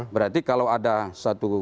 berarti kalau ada satu